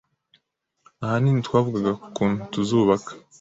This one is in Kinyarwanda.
Ahanini twavugaga ku kuntu tuzubaka